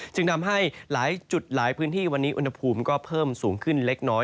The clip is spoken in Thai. จึงทำให้หลายจุดหลายพื้นที่วันนี้อุณหภูมิก็เพิ่มสูงขึ้นเล็กน้อย